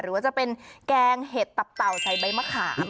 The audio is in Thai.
หรือว่าจะเป็นแกงเห็ดตับเต่าใส่ใบมะขาม